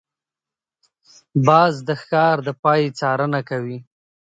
باز د ښکار د پای څارنه کوي